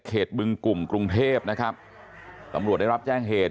บึงกลุ่มกรุงเทพนะครับตำรวจได้รับแจ้งเหตุ